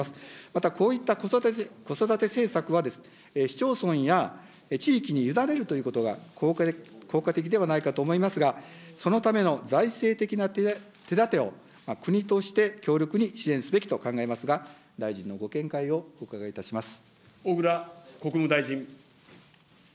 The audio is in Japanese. またこういった子育て政策は、市町村や地域に委ねるということが効果的ではないかと思いますが、そのための財政的な手だてを国として強力に支援すべきと考えますが、大臣のご見解をお伺いいたします。